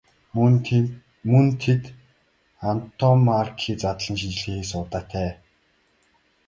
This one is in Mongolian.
Мөн энд Антоммарки задлан шинжилгээ хийсэн удаатай.